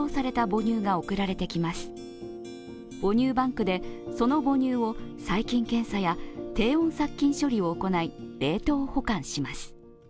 母乳バンクでその母乳を細菌検査や低温殺菌処理を行い冷凍保管します。